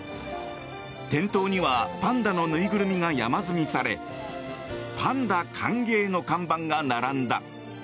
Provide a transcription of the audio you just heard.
店頭にはパンダのぬいぐるみが山積みされパンダ歓迎の看板が並んだ。